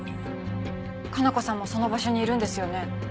加奈子さんもその場所にいるんですよね？